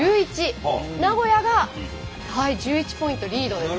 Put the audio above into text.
名古屋が１１ポイントリードですね。